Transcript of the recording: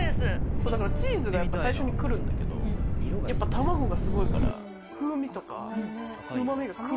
そうだからチーズがやっぱ最初にくるんだけどやっぱ卵がすごいから風味とかうま味がくる。